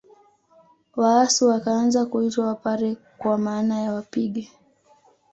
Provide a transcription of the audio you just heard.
Waasu wakaanza kuitwa Wapare kwa maana ya wapige